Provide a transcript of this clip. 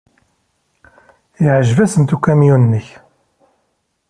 Yeɛjeb-asent ukamyun-nnek.